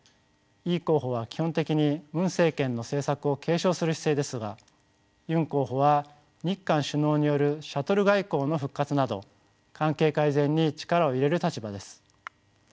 イ候補は基本的にムン政権の政策を継承する姿勢ですがユン候補は日韓首脳によるシャトル外交の復活など関係改善に力を入れる立場です。